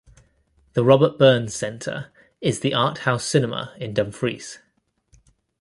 The Robert Burns Centre is the art house cinema in Dumfries.